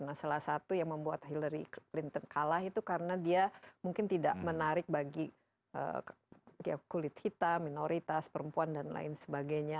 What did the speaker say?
nah salah satu yang membuat hillary clinton kalah itu karena dia mungkin tidak menarik bagi kulit hitam minoritas perempuan dan lain sebagainya